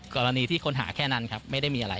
กรณีที่ค้นหาแค่นั้นครับไม่ได้มีอะไร